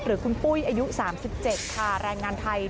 หรือคุณปุ้ยอายุสามสิบเจ็ดค่ะแรงงานไทยที่